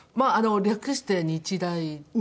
略して日大です。